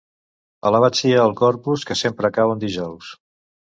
Alabat sia el Corpus que sempre cau en dijous!